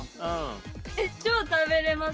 えっ超食べれます。